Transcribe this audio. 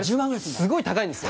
すごい高いんですよ。